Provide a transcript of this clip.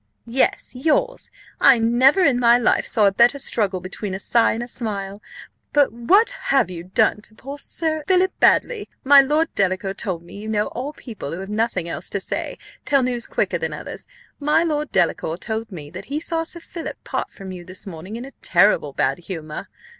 "Yes, yours: I never in my life saw a better struggle between a sigh and a smile. But what have you done to poor Sir Philip Baddely? My Lord Delacour told me you know all people who have nothing else to say, tell news quicker than others my Lord Delacour told me, that he saw Sir Philip part from you this morning in a terrible bad humour.